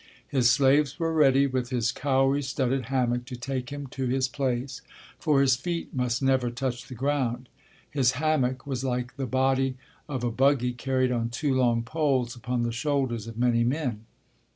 His slaves were ready with his cowrie studded hammock to take him to his place, for his feet must never touch the ground. His hammock was like the body of a buggy carried on two long poles upon the shoulders of many men.